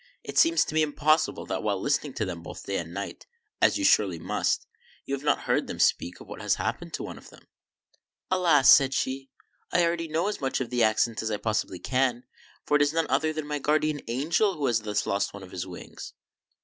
It seems to me impossible that, while listening to them both day and night, as you surely must, you have not heard them speak of what has happened to one of them." " Alas !" said she, " I already know as much of the accident as I possibly can; for it is none other than my Guardian Angel who has thus lost one of his wings."